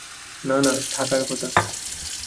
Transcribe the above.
না, না, থাকার কথা।